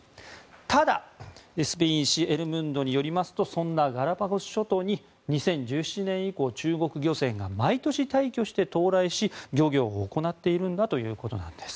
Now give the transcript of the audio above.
ただ、スペイン紙エル・ムンドによりますとそんなガラパゴス諸島に２０１７年以降中国漁船が毎年大挙して到来し、漁業を行っているんだということです。